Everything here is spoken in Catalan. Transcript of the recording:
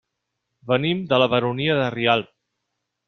Venim de la Baronia de Rialb.